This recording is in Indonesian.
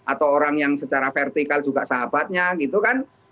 atau orang yang secara vertikal juga sahabatnya gitu kan